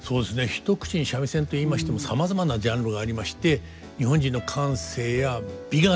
一口に三味線と言いましてもさまざまなジャンルがありまして発展してるんだ。